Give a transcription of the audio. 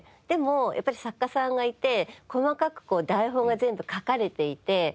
でもやっぱり作家さんがいて細かくこう台本が全部書かれていて。